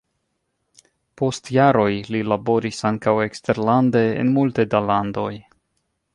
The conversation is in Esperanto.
Post jaroj li laboris ankaŭ eksterlande en multe da landoj.